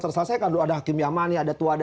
terselesai ada hakim yamani ada tuwada